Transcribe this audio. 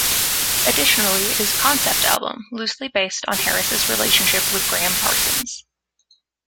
Additionally, it is a concept album, loosely based on Harris's relationship with Gram Parsons.